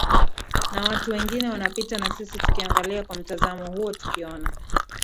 ee na watu wengine wanapita na sisi tukiangalia kwa mtazamo huo tukiona